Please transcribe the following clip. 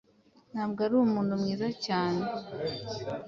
Ntabwo ari umuntu mwiza cyane